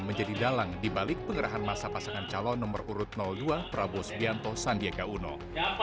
menjadi dalang dibalik penggerakan masa pasangan calon nomor urut dua prabowo subianto sandiaga uno selamat datang dari